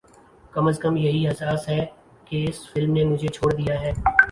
کم از کم یہی احساس ہے کہ اس فلم نے مجھے چھوڑ دیا ہے